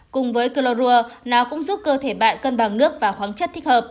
cùng với chlorua nó cũng giúp cơ thể bạn cân bằng nước và khoáng chất thích hợp